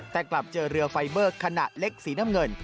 แต่กลับเจอเรือไฟเบอร์ขนาดเล็กสีน้ำเงิน